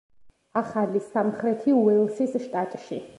ახალი სამხრეთი უელსის შტატში.